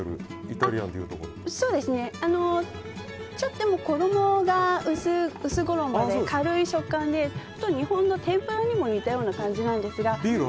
でも、薄い衣で軽い食感で、日本の天ぷらにも似たような感じなんですが。